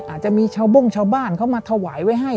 อาจจะมีชาวบ้งชาวบ้านเขามาถวายไว้ให้